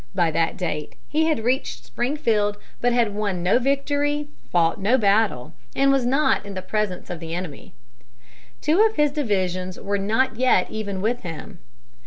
By that date he had reached Springfield, but had won no victory, fought no battle, and was not in the presence of the enemy. Two of his divisions were not yet even with him.